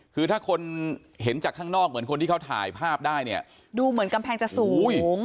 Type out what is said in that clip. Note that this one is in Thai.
คือถ้าคนเห็นจากข้างนอกเหมือนคนที่เขาถ่ายภาพได้เนี่ยดูเหมือนกำแพงจะสูง